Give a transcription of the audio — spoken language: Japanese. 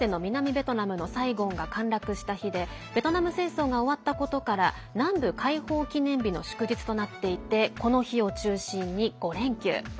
ベトナムのサイゴンが陥落した日でベトナム戦争が終わったことから南部解放記念日の祝日となっていてこの日を中心に５連休。